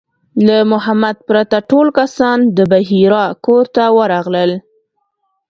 له محمد پرته ټول کسان د بحیرا کور ته ورغلل.